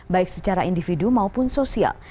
baik secara individu maupun sosial